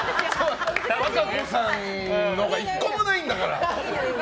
和歌子さんのが１個もないんだから。